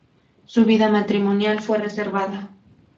Su vida matrimonial fue reservada.